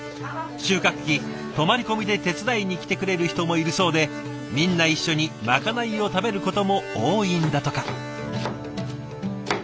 収穫期泊まり込みで手伝いに来てくれる人もいるそうでみんな一緒にまかないを食べることも多いんだとか。